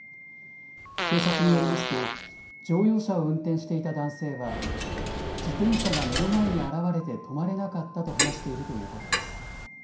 警察によりますと乗用車を運転していた男性は自転車が目の前に現れて止まれなかったと話しているということです。